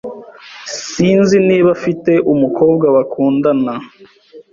Sinzi niba afite umukobwa bakundana.